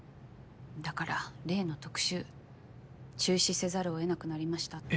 だから例の特集中止せざるをえなくなりましたって。